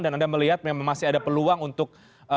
dan anda melihat memang masih ada peluang untuk